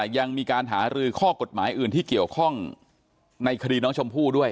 ยังมีการหารือข้อกฎหมายอื่นที่เกี่ยวข้องในคดีน้องชมพู่ด้วย